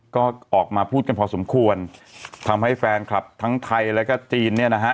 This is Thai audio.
ก็ออกมาพูดกันพอสมควรทำให้แฟนคลับทั้งไทยแล้วก็จีนเนี่ยนะฮะ